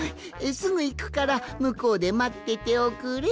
すぐいくからむこうでまってておくれ。